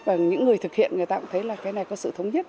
và những người thực hiện người ta cũng thấy là cái này có sự thống nhất